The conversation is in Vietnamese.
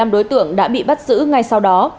một mươi năm đối tượng đã bị bắt giữ ngay sau đó